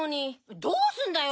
どうすんだよ！